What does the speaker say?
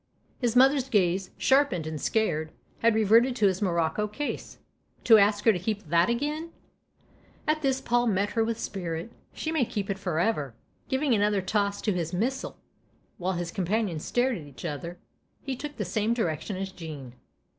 His mother's gaze, sharpened and scared, had reverted to his morocco case. " To ask her to keep that again ?" At this Paul met her with spirit. " She may keep it for ever !" Giving another toss to his missile, while his companions stared at each other, he took the same direction as Jean.